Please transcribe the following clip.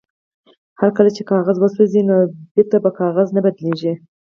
هو کله چې کاغذ وسوځي نو بیرته په کاغذ نه بدلیږي